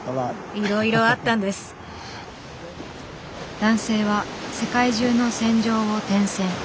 男性は世界中の戦場を転戦。